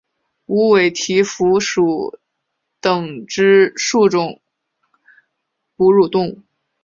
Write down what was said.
无尾蹄蝠属等之数种哺乳动物。